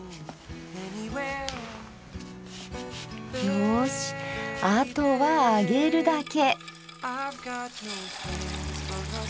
よしあとは揚げるだけ。